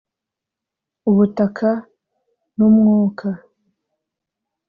ubutaka n’umwuka